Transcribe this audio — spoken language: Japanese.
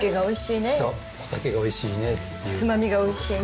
おいしい。